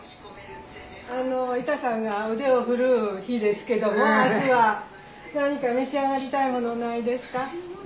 あの板さんが腕を振るう日ですけども明日は何か召し上がりたいものないですか？